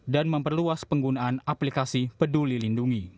dan memperluas penggunaan aplikasi peduli lindungi